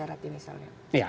apa saja syarat syarat ini